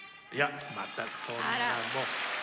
またそんなもう。